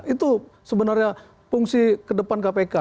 itu sebenarnya fungsi kedepan kpk